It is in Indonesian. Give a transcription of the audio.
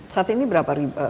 saat ini berapa ribu